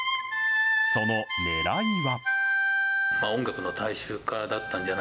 そのねらいは。